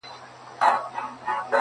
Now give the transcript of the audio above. راکوه سونډي خو دومره زیاتي هم نه,